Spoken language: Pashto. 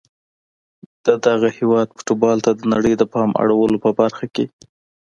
د دغه هیواد فوټبال ته د نړۍ د پام اړولو په برخه کي